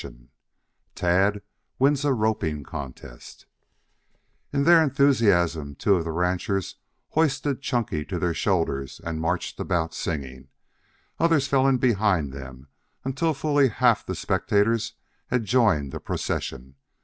CHAPTER XVIII TAD WINS A ROPING CONTEST In their enthusiasm two of the ranchers hoisted Chunky to their shoulders and marched about singing. Others fell in behind them until fully half the spectators had joined the procession.